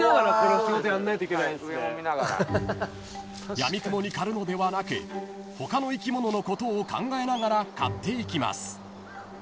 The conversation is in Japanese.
［やみくもに刈るのではなく他の生き物のことを考えながら刈っていきます］